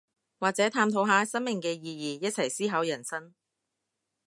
或者探討下生命嘅意義，一齊思考人生